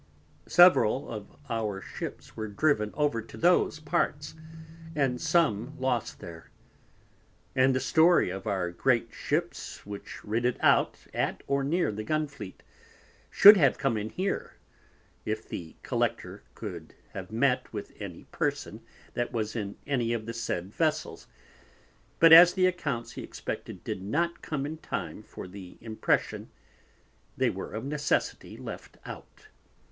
Several of our Ships were driven over to those parts, and some lost there, and the story of our great Ships which rid it out, at or near the Gunfleet, should have come in here, if the Collector could have met with any Person that was in any of the said Vessels, but as the accounts he expected did not come in the time for the Impression, they were of necessity left out.